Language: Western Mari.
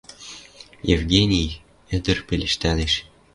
«Евгений, — ӹдӹр пелештӓлеш, —